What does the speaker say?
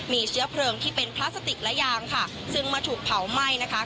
มีเชื้อเพลิงที่เป็นพลาสติกและยางค่ะซึ่งมาถูกเผาไหม้นะคะ